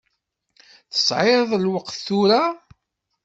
Tesɛiḍ lweqt tura?